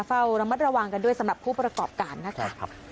เฝ้าระมัดระวังกันด้วยสำหรับผู้ประกอบการนะคะ